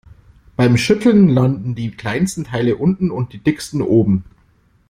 Beim Schütteln landen die kleinsten Teile unten und die dicksten oben.